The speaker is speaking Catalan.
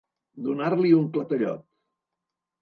Donar-li un clatellot.